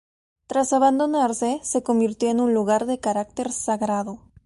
Tras abandonarse se convirtió en un lugar de carácter sagrado.